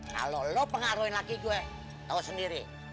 kalau lo pengaruhin laki gue lo sendiri